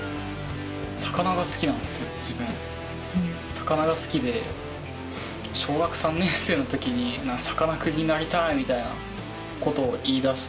魚が好きで小学３年生の時にさかなクンになりたいみたいなことを言いだして。